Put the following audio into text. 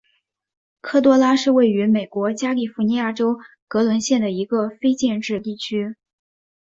科多拉是位于美国加利福尼亚州格伦县的一个非建制地区。